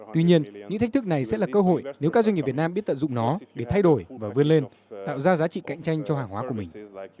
tuy nhiên những thách thức này sẽ là cơ hội nếu các doanh nghiệp việt nam biết tận dụng nó để thay đổi và vươn lên tạo ra giá trị cạnh tranh cho hàng hóa của mình